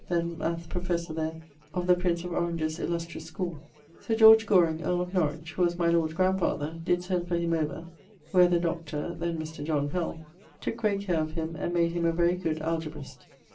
then Math. Professor there of the Prince of Orange's 'ilustrious schoole.' Sir George Goring, earl of Norwich (who was my lord's grandfather), did send for him over, where the (then Mr. John Pell) tooke great care of him, and made him a very good Algebrist.